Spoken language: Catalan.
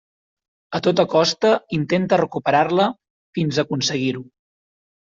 A tota costa intenta recuperar-la fins a aconseguir-ho.